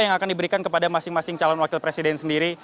yang akan diberikan kepada masing masing calon wakil presiden sendiri